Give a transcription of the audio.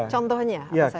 contohnya apa saja